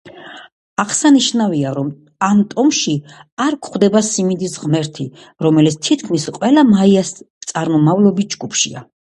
აღსანიშნავია, რომ ამ ტომში არ გვხვდება სიმინდის ღმერთი, რომელიც თითქმის ყველა მაიას წარმომავლობის ჯგუფშია.